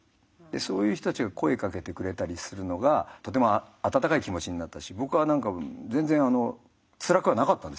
そういう人たちが声かけてくれたりするのがとても温かい気持ちになったし僕は何か全然つらくはなかったんですねだから。